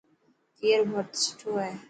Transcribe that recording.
اي رو ڀرت سٺو هي.